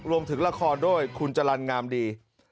รวมถึงละครด้วยคุณจรรย์งามดี